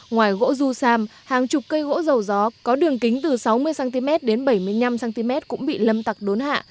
ngoài gỗ du sam hàng chục cây gỗ dầu gió có đường kính từ sáu mươi cm đến bảy mươi năm cm cũng bị lâm tặc đốn hạ